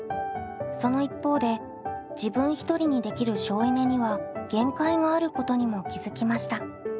その一方で自分一人にできる省エネには限界があることにも気付きました。